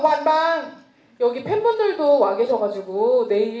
เวลาที่คุณพบกันนี้